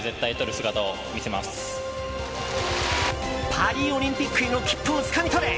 パリオリンピックへの切符をつかみ取れ！